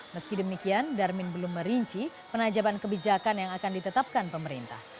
meski demikian darmin belum merinci penajaban kebijakan yang akan ditetapkan pemerintah